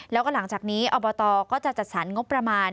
แล้วก็หลังจากนี้อบตก็จะจัดสรรงบประมาณ